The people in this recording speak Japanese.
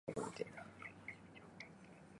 私はなんにだってなれる、そう、ジョーカーみたいなの。